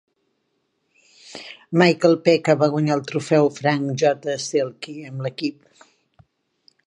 Michael Peca va guanyar el Trofeu Frank J. Selke amb l'equip.